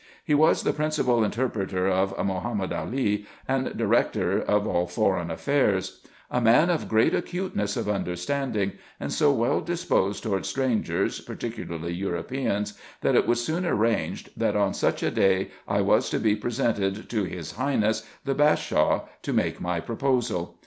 He was the principal b 2 4 RESEARCHES AND OPERATIONS interpreter of Mahomed Ali, and director of all foreign affairs : a man of great aeuteness of understanding, and so well disposed towards strangers, particularly Europeans, that it was soon arranged, that on such a day I was to be presented to his highness the Bashaw, to make my proposal.